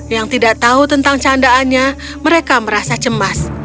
yang tidak tahu tentang candaannya mereka merasa cemas